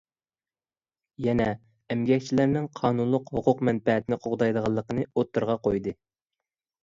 يەنە ئەمگەكچىلەرنىڭ قانۇنلۇق ھوقۇق-مەنپەئەتىنى قوغدايدىغانلىقىنى ئوتتۇرىغا قويدى.